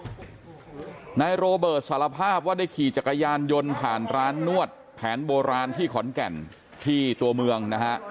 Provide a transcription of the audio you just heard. นายโรเบิร์ตสารภาพว่าได้ขี่จักรยานยนต์ผ่านร้านนวดแผนโบราณที่ขอนแก่นที่ตัวเมืองนะฮะ